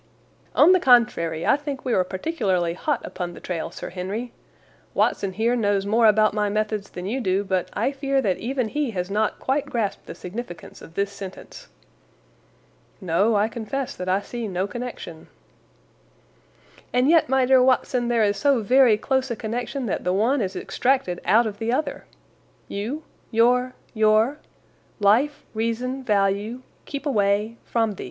"On the contrary, I think we are particularly hot upon the trail, Sir Henry. Watson here knows more about my methods than you do, but I fear that even he has not quite grasped the significance of this sentence." "No, I confess that I see no connection." "And yet, my dear Watson, there is so very close a connection that the one is extracted out of the other. 'You,' 'your,' 'your,' 'life,' 'reason,' 'value,' 'keep away,' 'from the.